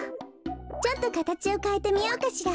ちょっとかたちをかえてみようかしら。